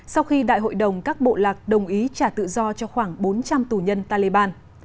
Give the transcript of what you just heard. sau khi đại hội đồng các bộ lạc đồng ý trả tự do cho khoảng bốn trăm linh tù nhân taliban